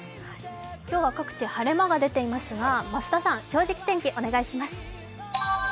今日は各地晴れ間が出ていますが、増田さん、「正直天気」お願いします